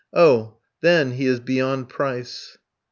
Oh! then he is beyond price.